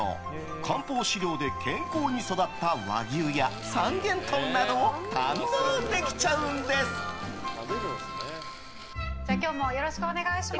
漢方飼料で健康に育った和牛や三元豚などを今日もよろしくお願いします。